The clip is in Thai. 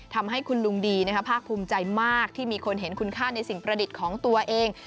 ทำให้คุณลุงดีภาคภูมิใจมากที่มีคนเห็นคุณค่าในสิ่งประดิษฐ์ของตัวเอง